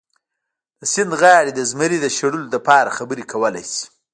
د سیند غاړې د زمري د شړلو لپاره خبرې کولی شي.